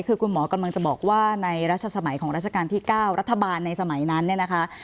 คือคุณหมอกำลังจะบอกว่าในรัชสมัยของราชการที่๙รัฐบาลในสมัยนั้นเนี่ยนะคะ